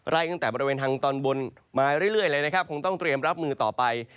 ตั้งแต่บริเวณทางตอนบนมาเรื่อยเลยนะครับคงต้องเตรียมรับมือต่อไป